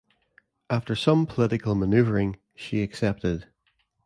After some political manoeuvring, she accepted.